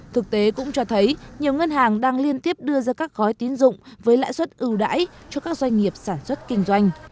thực tế cũng cho thấy nhiều ngân hàng đang liên tiếp đưa ra các gói tín dụng với lãi suất ưu đãi cho các doanh nghiệp sản xuất kinh doanh